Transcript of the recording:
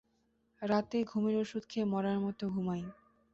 রাতে ঘুমের ওষুধ খেয়ে মড়ার মতো ঘুমাই।